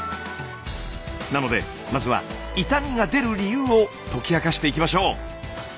なのでまずは痛みが出る理由を解き明かしていきましょう。